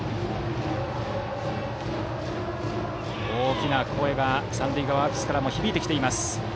大きな声が三塁側アルプスからも響いてきています。